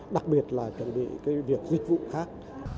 đặc biệt là chuẩn bị việc dịch vụ khác